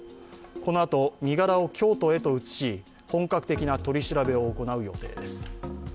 このあと身柄を京都へと移し、本格的な取り調べを行う予定です。